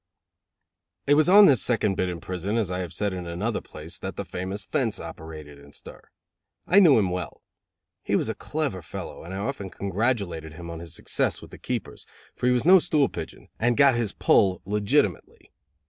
It was on this second bit in prison, as I have said in another place, that the famous "fence" operated in stir. I knew him well. He was a clever fellow, and I often congratulated him on his success with the keepers; for he was no stool pigeon and got his pull legitimately.